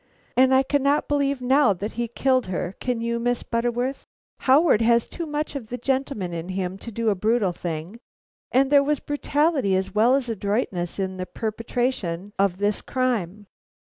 And I cannot believe now that he killed her, can you, Miss Butterworth? Howard has too much of the gentleman in him to do a brutal thing, and there was brutality as well as adroitness in the perpetration of this crime.